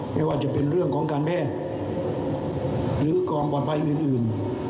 ไม่ว่าจะเป็นเรื่องของการแพทย์หรือความปลอดภัยอื่น